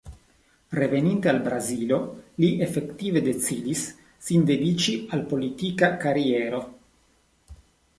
Reveninte al Brazilo, li efektive decidis sin dediĉi al la politika kariero.